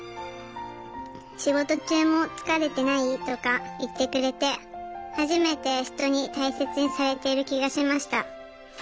仕事中も『疲れてない？』とか言ってくれて初めて人に大切にされている気がしました。